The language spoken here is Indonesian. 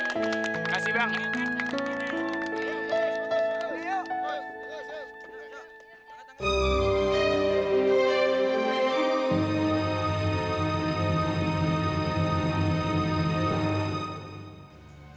terima kasih bang